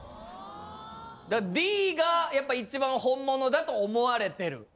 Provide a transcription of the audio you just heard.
Ｄがやっぱ一番本物だと思われてる。